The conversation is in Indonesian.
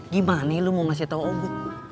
gimana lo mau kasih tau aku